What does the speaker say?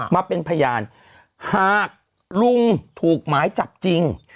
มาเป็นพยานหากลุงถูกหมายจับจริง